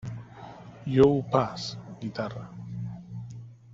Joe Pass: guitarra.